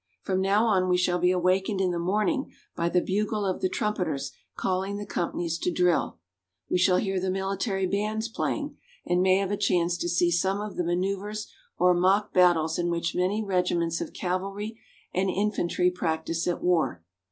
From now on we shall be awakened in the morning by the bugle of the trumpeters calling the companies to drill. We shall hear the military bands playing, and may have a chance to see some of the maneuvers or mock battles in which many regiments of cavalry and infantry practice at war.